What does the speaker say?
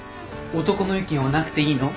男の意見はなくていいの？